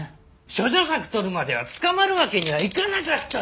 処女作撮るまでは捕まるわけにはいかなかったのよ。